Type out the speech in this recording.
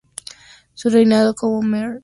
Su reinado como Mr.